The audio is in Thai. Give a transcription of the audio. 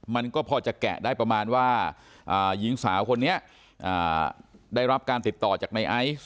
มันก็พอจะแกะได้ประมาณว่าหญิงสาวคนนี้ได้รับการติดต่อจากในไอซ์